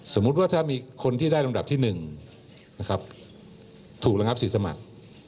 สมมุติว่าถ้ามีคนที่ได้ลำดับที่๑นะครับถูกระงับสิทธิ์สมัคร